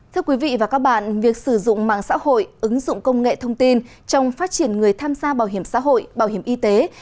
thưa quý vị và các bạn việc sử dụng mạng xã hội ứng dụng công nghệ thông tin trong phát triển người tham gia bảo hiểm xã hội bảo hiểm y tế